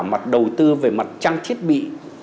mặt đầu tư về mặt trang thiết bị